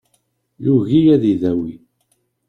Yugi ad idawi.